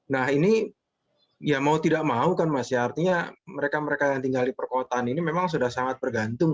nah ini ya mau tidak mau kan mas ya artinya mereka mereka yang tinggal di perkotaan ini memang sudah sangat bergantung